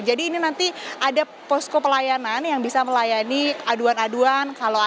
jadi ini nanti ada posko pelayanan yang bisa melayani aduan aduan